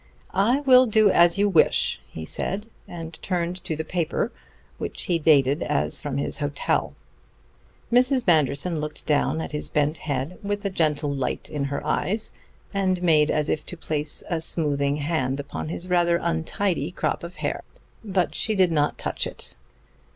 "I will do as you wish," he said, and turned to the paper, which he dated as from his hotel. Mrs. Manderson looked down at his bent head with a gentle light in her eyes, and made as if to place a smoothing hand upon his rather untidy crop of hair. But she did not touch it.